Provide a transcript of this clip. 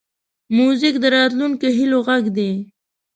موزیک د راتلونکو هیلو غږ دی.